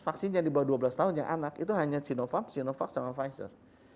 vaksin yang di bawah dua belas tahun yang anak itu hanya sinovac sinovac sama pfizer